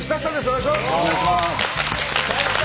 お願いします。